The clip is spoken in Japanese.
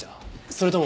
それとも。